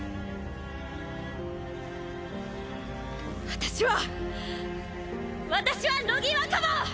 私は私は乃木若葉！